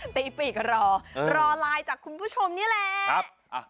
ปีกรอรอไลน์จากคุณผู้ชมนี่แหละ